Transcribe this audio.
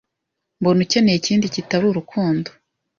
mbona ukeneye ikindi kitari urukundo.